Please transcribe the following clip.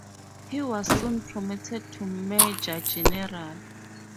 He was soon promoted to major general.